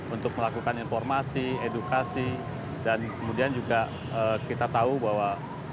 untuk melakukan informasi edukasi dan kemudian juga kita tahu bahwa